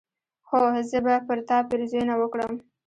هو! زه به پر تا پيرزوينه وکړم